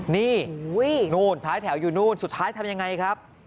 นี่นู่นท้ายแถวอยู่นู่นสุดท้ายทำยังไงครับ